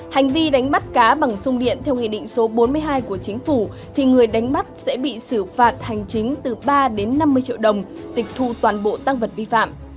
hành vi đánh bắt cá bằng sung điện theo nghị định số bốn mươi hai của chính phủ thì người đánh bắt sẽ bị xử phạt hành chính từ ba đến năm mươi triệu đồng tịch thu toàn bộ tăng vật vi phạm